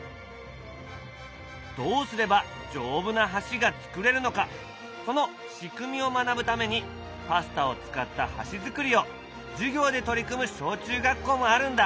どうすれば丈夫な橋が作れるのかその仕組みを学ぶためにパスタを使った橋作りを授業で取り組む小中学校もあるんだ。